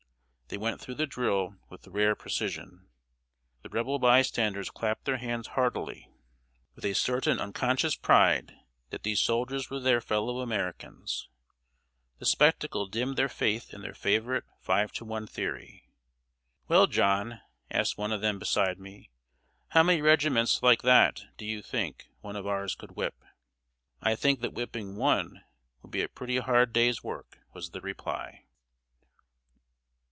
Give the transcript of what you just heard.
They went through the drill with rare precision. The Rebel bystanders clapped their hands heartily, with a certain unconscious pride that these soldiers were their fellow Americans. The spectacle dimmed their faith in their favorite five to one theory. "Well, John," asked one of them beside me, "how many regiments like that do you think one of ours could whip?" "I think that whipping one would be a pretty hard day's work!" was the reply.